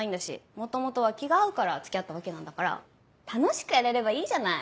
元々は気が合うから付き合ったわけなんだから楽しくやれればいいじゃない？